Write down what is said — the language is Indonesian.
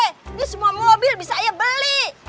ini semua mobil bisa ayah beli